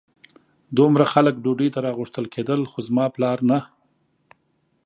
دومره خلک ډوډۍ ته راغوښتل کېدل خو زما پلار نه.